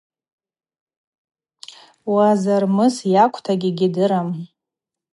Уазармыс йакӏвтагьи гьидырам.